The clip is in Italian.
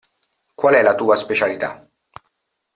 Qual è la tua specialità?